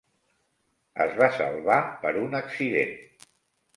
Es va salvar per un accident.